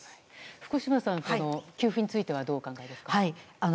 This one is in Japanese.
福島さん、給付についてはどうお考えですか？